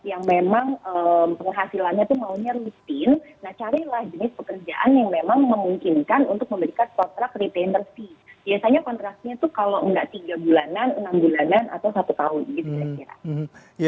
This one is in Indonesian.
biasanya kontraknya itu kalau enggak tiga bulanan enam bulanan atau satu tahun gitu kira kira